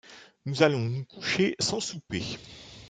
Nous allons nous coucher sans souper.